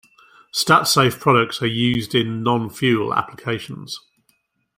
Statsafe products are used in non-fuel applications.